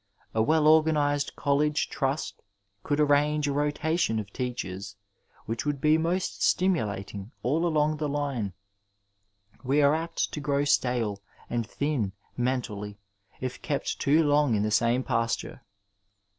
A well organized College Trust could arrange a rotation of teachers which would be most stimulating all along the line. We are apt to grow stale and thin mentally if kept too long in the same pasture.